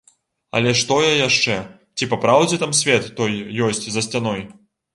Але ж тое яшчэ, ці папраўдзе там свет той ёсць за сцяной?